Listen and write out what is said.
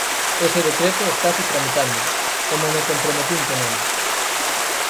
Ese decreto estase tramitando, como me comprometín con eles.